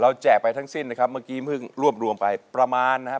แจกไปทั้งสิ้นนะครับเมื่อกี้เพิ่งรวบรวมไปประมาณนะครับ